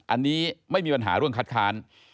อันนี้ไม่มีปัญหาเรื่องคัดค้าน